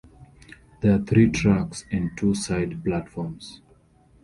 There are three tracks and two side platforms.